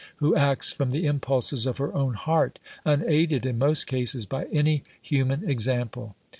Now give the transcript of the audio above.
who acts from the impulses of her own heart, unaided in most cases, by any human example.